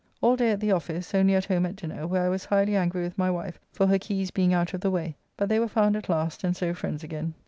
All day at the office, only at home at dinner, where I was highly angry with my wife for her keys being out of the way, but they were found at last, and so friends again.